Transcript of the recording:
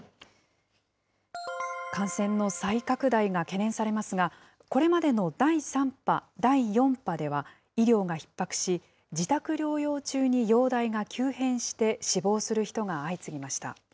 感染の再拡大が懸念されますが、これまでの第３波、第４波では、医療がひっ迫し、自宅療養中に容体が急変して死亡する人が相次ぎました。